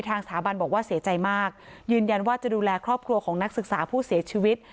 ทางสถาบันบอกว่าเสียใจมากยืนยันว่าจะดูแลครอบครัวของนักศึกษาผู้เสียชีวิต